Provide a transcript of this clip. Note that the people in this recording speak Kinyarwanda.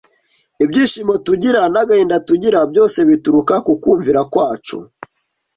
Ibyishimo tugira n’agahinda tugira byose bituruka ku kumvira kwacu